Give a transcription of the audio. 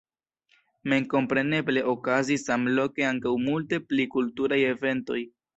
Memkompreneble okazis samloke ankaŭ multe pli kulturaj eventoj.